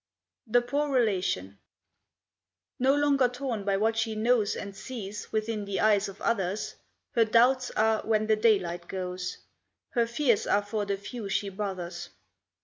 The Poor Relation No longer torn by what she knows And sees within the eyes of others, Her doubts are when the daylight goes, Her fears are for the few she bothers.